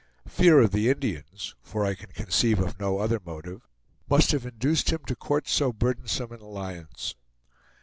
Fear of the Indians for I can conceive of no other motive must have induced him to court so burdensome an alliance.